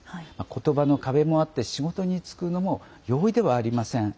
ことばの壁もあって仕事に就くのも容易ではありません。